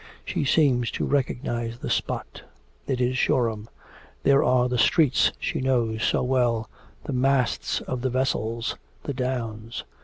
She seems to recognise the spot. It is Shoreham. There are the streets she knows so well, the masts of the vessels, the downs.